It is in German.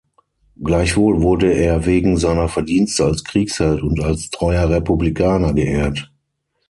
Gleichwohl wurde er wegen seiner Verdienste als Kriegsheld und als treuer Republikaner geehrt.